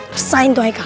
pesahin tuh hai kalian